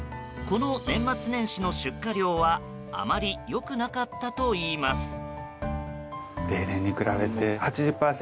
この年末年始の出荷量はあまり良くなかったといいます。